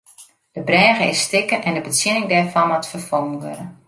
De brêge is stikken en de betsjinning dêrfan moat ferfongen wurde.